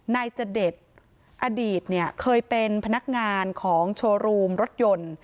นายจเดชอดีตเนี่ยเคยเป็นพนักงานของโชว์รูมรถยนต์